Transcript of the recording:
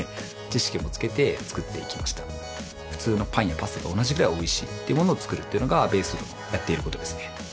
知識もつけて作っていきました普通のパンやパスタと同じぐらいおいしいっていうものを作るっていうのがＢＡＳＥでやっていることですね